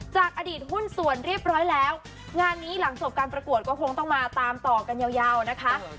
จากอดีตหุ้นส่วนเรียบร้อยแล้วงานนี้หลังจบการประกวดก็คงต้องมาตามต่อกันยาวนะคะ